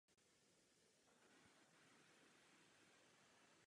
Nejvyšším orgánem strany je sjezd.